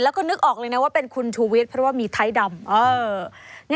แล้วก็นึกออกเลยนะว่าเป็นคุณชูวิทย์เพราะว่ามีไทยดำ